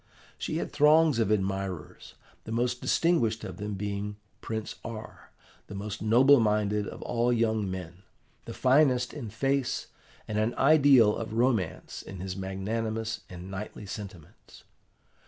She had throngs of admirers, the most distinguished of them being Prince R., the most noble minded of all young men, the finest in face, and an ideal of romance in his magnanimous and knightly sentiments.